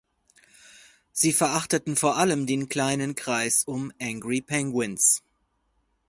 Sie verachteten vor allem den kleinen Kreis um "Angry Penguins".